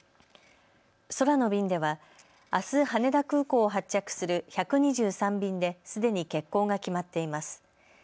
空の便ではあす羽田空港を発着する１２３便ですでに欠航が決まっています。